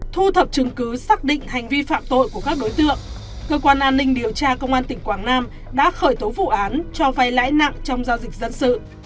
thu thập chứng cứ xác định hành vi phạm tội của các đối tượng cơ quan an ninh điều tra công an tỉnh quảng nam đã khởi tố vụ án cho vay lãi nặng trong giao dịch dân sự